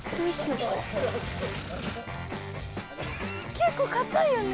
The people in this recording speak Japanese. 結構堅いよね。